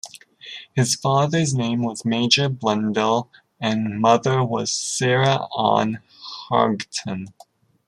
His father's name was Major Blundell and mother was Sarah Ann Haighton.